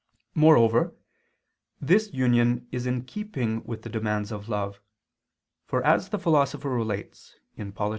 Moreover this union is in keeping with the demands of love: for as the Philosopher relates (Polit.